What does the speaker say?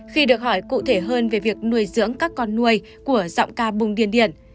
khi được hỏi cụ thể hơn về việc nuôi dưỡng các con nuôi của giọng ca bùng điền điển